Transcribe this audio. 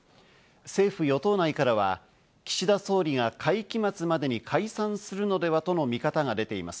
政府与党内からは岸田総理が会期末までに解散するのではとの見方が出ています。